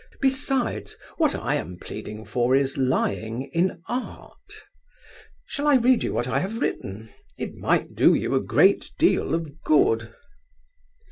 Besides, what I am pleading for is Lying in art. Shall I read you what I have written? It might do you a great deal of good.